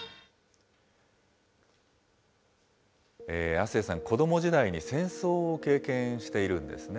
亜星さん、子ども時代に戦争を経験しているんですね。